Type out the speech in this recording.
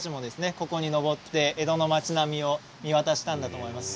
ここに上って江戸の街並みを見渡したんだと思います。